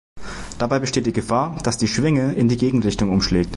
Dabei besteht die Gefahr, dass die Schwinge in die Gegenrichtung umschlägt.